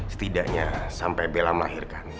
setidaknya sampai bela melahirkan